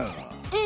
え？